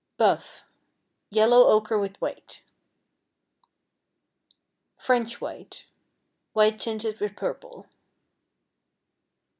Buff, yellow ochre with white. French White, white tinted with purple.